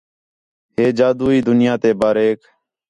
ہِے جادوئی دُنیا تے باریک